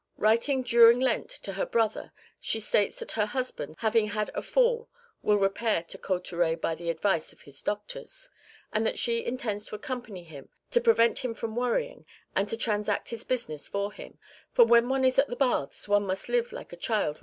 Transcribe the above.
Writing during Lent to her brother she states that her husband having had a fall will repair to Cauterets by the advice of his doctors,(2) and that she intends to accompany him to prevent him from worrying and to transact his business for him, "for when one is at the baths one must live like a child without any care."